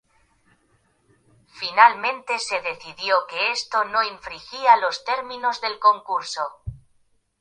Finalmente se decidió que esto no infringía las reglas del concurso.